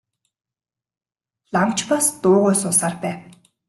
Лам ч бас дуугүй суусаар байв.